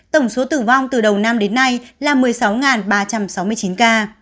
tổng số tử vong từ đầu năm đến nay là một mươi sáu ba trăm sáu mươi chín ca